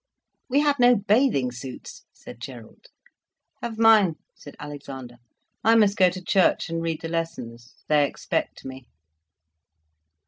"We have no bathing suits," said Gerald. "Have mine," said Alexander. "I must go to church and read the lessons. They expect me."